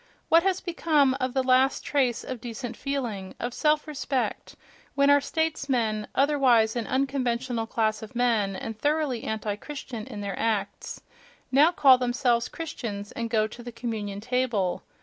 What has become of the last trace of decent feeling, of self respect, when our statesmen, otherwise an unconventional class of men and thoroughly anti Christian in their acts, now call themselves Christians and go to the communion table?...